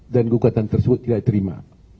dan gugatan tersebut tidak diterima